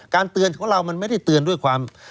เตือนของเรามันไม่ได้เตือนด้วยความ